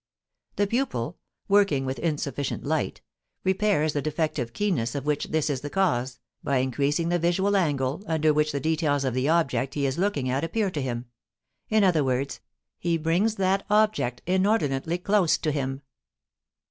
The pupil, working with insufficient light, repairs the defective keenness of which this is the cause, by increasing the visual angle under which the details of the object he is looking at appear to him; in other words, he brings that object inordinately close to him.